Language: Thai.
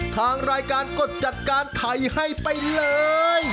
ทางรายการกดจัดการไทยให้ไปเลย